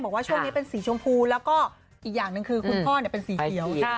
บอกว่าช่วงนี้เป็นสีชมพูแล้วก็อีกอย่างหนึ่งคือคุณพ่อเป็นสีเขียว